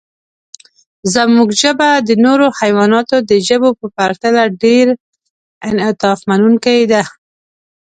زموږ ژبه د نورو حیواناتو د ژبو په پرتله ډېر انعطافمنونکې ده.